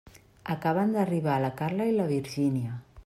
Acaben d'arribar la Carla i la Virgínia.